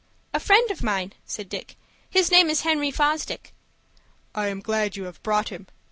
"A friend of mine," said Dick. "His name is Henry Fosdick." "I am glad you have brought him.